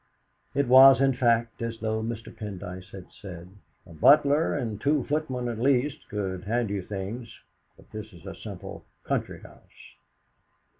It was, in fact, as though Mr. Pendyce had said: "A butler and two footmen at least could hand you things, but this is a simple country house."